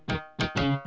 ya aku mau